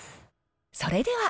それでは。